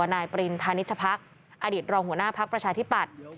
นายปริณธานิชพักอดีตรองหัวหน้าพักประชาธิปัตย์